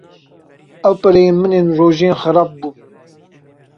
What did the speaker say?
Ew pereyên min ên rojên xerab bûn.